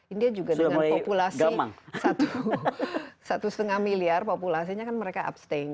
india juga dengan populasi satu lima miliar populasinya kan mereka abstain